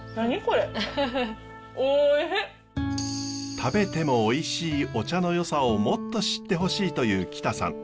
食べてもおいしいお茶のよさをもっと知ってほしいという北さん。